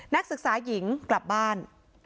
นักศึกษาหญิงกลับบ้าน